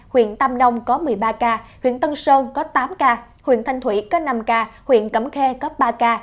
huyện tam nông có một mươi ba ca huyện tân sơn có tám ca huyện thanh thủy có năm ca huyện cẩm khê có ba ca